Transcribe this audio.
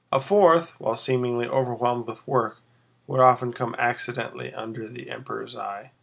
A fourth while seemingly overwhelmed with work would often come accidentally under the Emperor's eye.